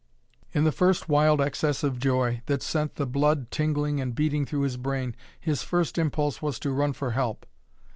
In the first wild excess of joy, that sent the blood tingling and beating through his brain, his first impulse was to run for help.